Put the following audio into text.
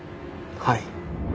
はい。